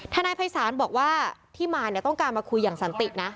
นายภัยศาลบอกว่าที่มาเนี่ยต้องการมาคุยอย่างสันตินะ